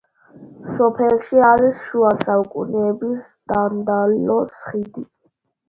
სოფელში არის შუა საუკუნეების დანდალოს ხიდი.